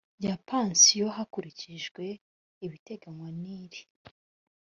ya pansiyo hakurikijwe ibiteganywa n iri